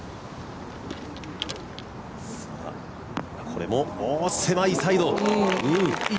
これも狭いサイド！